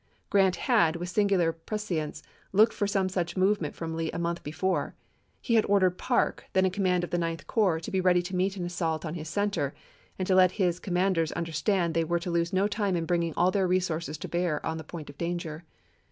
Grant had, with singular prescience, looked for some such movement from Lee a month before. He had ordered Parke, then in command of the Ninth Fet>.22,i865, Corps, to be ready to meet an assault on his center and to let his commanders understand they were to lose no time in bringing all their resources to bear on the point of danger.